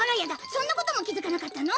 そんなことも気づかなかったの？」